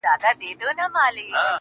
او بېوفايي ، يې سمه لکه خور وگڼه.